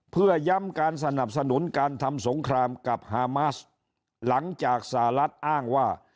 เพื่อย้ำการสนับสนุนการทำสงครามกับฮามาสหลังจากสหรัฐอ้างว่า